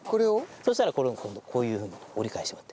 そしたらこれを今度こういうふうに折り返してもらって。